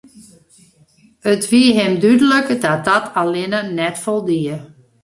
It wie him dúdlik dat dat allinne net foldie.